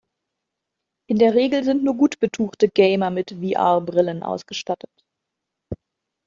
In der Regel sind nur gut betuchte Gamer mit VR-Brillen ausgestattet.